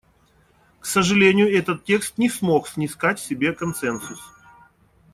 К сожалению, этот текст не смог снискать себе консенсус.